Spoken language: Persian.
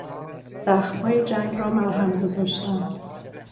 زخمهای جنگ را مرهم گذاشتن